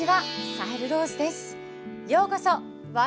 サヘル・ローズです。